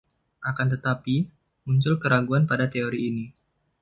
Akan tetapi, muncul keraguan pada teori ini.